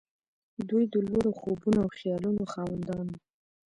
دوی د لوړو خوبونو او خيالونو خاوندان وو.